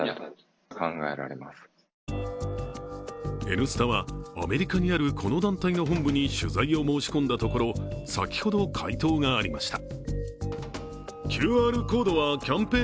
「Ｎスタ」はアメリカにあるこの団体の本部に取材を申し込んだところ先ほど回答がありました。